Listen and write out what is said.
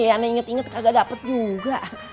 aneh inget inget kagak dapet juga